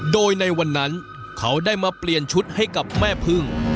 โดยในวันนั้นเขาได้มาเปลี่ยนชุดให้กับแม่พึ่ง